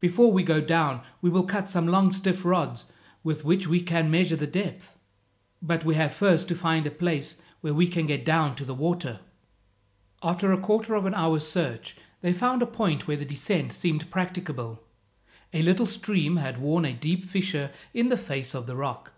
Before we go down, we will cut some long stiff rods with which we can measure the depth. But we have first to find a place where we can get down to the water." After a quarter of an hour's search, they found a point where the descent seemed practicable. A little stream had worn a deep fissure in the face of the rock.